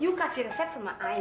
lu kasih resep sama ayah